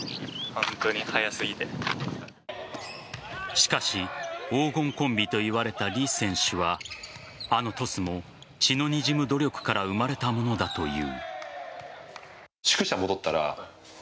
しかし黄金コンビといわれた李選手はあのトスも血のにじむ努力から生まれたものだという。